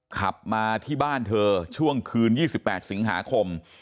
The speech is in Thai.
ขับมาที่บ้านเธอช่วงคืน๒๘สิงหาคม